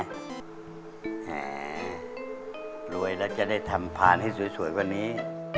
แหมรวยแล้วจะได้ทำผ่านให้สวยกว่านี้